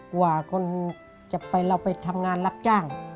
กว่าคนจะไปเราไปทำงานรับจ้าง